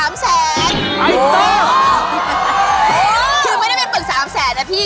คือไม่ได้เป็นปึก๓แสนนะพี่